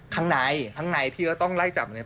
ข้างในข้างในที่ก็ต้องไล่จับมันเนี่ย